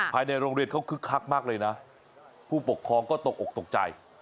ภายในโรงเรียนเขาคึกคักมากเลยนะผู้ปกครองก็ตกอกตกใจ